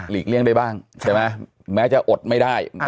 เลี่ยงได้บ้างใช่ไหมแม้จะอดไม่ได้